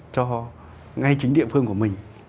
cho ngay chính địa phương của mình